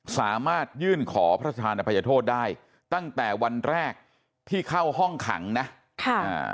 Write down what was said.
สามารถยื่นขอพระธานอภัยโทษได้ตั้งแต่วันแรกที่เข้าห้องขังนะค่ะอ่า